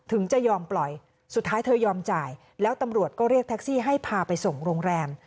จะยอมปล่อยสุดท้ายเธอยอมจ่ายแล้วตำรวจก็เรียกแท็กซี่ให้พาไปส่งโรงแรม